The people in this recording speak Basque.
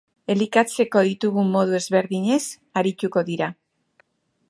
Elikatzeko ditugun modu ezberdinez arituko dira.